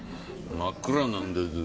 真っ暗なんだぞ。